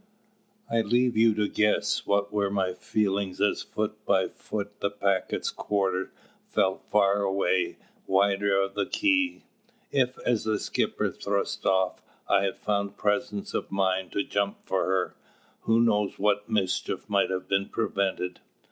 I leave you to guess what were my feelings as foot by foot the packet's quarter fell away wider of the quay. If, as the skipper thrust off, I had found presence of mind to jump for her, who knows what mischief might have been prevented?